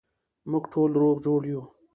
موږ ټوله روغ جوړ یو